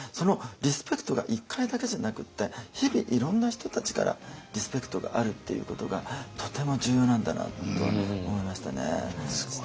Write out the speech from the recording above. リスペクトが１回だけじゃなくって日々いろんな人たちからリスペクトがあるっていうことがとても重要なんだなと思いましたね。